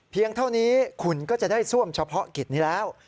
เท่านี้คุณก็จะได้ซ่วมเฉพาะกิจนี้แล้ว